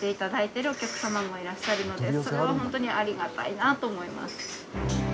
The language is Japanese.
それはホントにありがたいなと思います。